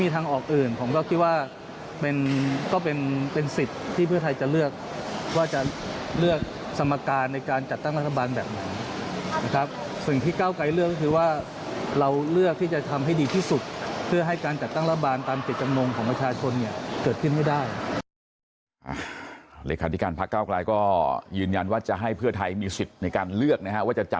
ถ้าแบบนั้นเนี่ยขัดต่อแล้ว